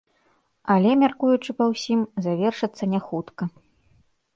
Але, мяркуючы па ўсім, завершацца не хутка.